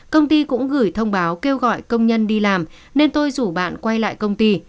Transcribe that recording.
công ty cũng gửi thông báo kêu gọi công nhân đi làm nên tôi rủ bạn quay lại công ty